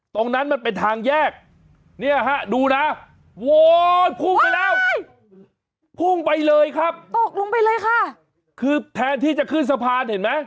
ตรงนั้นมันเป็นทางแยกนี่ฮะดูนะ